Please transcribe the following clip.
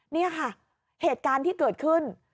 นี่ค่ะเหตุการณ์ที่เกิดขึ้น